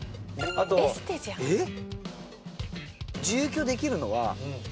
あとええっ？